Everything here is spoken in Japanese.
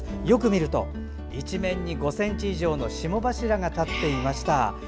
よく見ると一面に５ｃｍ以上の霜柱が立っていました。